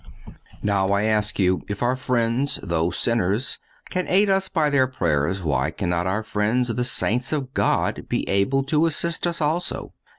Now I ask you, if our friends, though sinners, can aid us by their prayers, why cannot our friends, the saints of God, be able to assist us also?